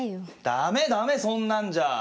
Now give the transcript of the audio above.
ダメダメそんなんじゃあ。